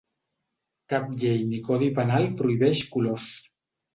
Cap llei ni codi penal prohibeix colors.